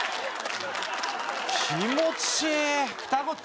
気持ちいいー！